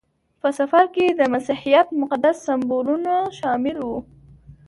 په سفر کې د مسیحیت مقدس سمبولونه شامل وو.